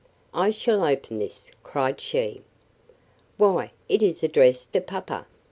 "I shall open this," cried she. "Why, it is addressed to papa!"